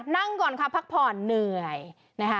นั่งก่อนค่ะพักผ่อนเหนื่อยนะคะ